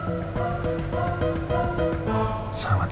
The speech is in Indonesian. bisa berputus asaothan yang kata